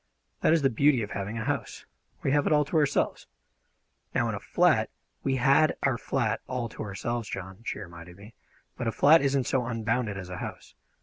"That is the beauty of having a house. We have it all to ourselves. Now, in a flat " "We had our flat all to ourselves, John," she reminded me; "but a flat isn't so unbounded as a house.